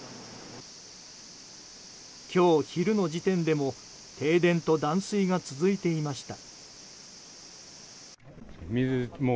今日昼の時点でも停電と断水が続いていました。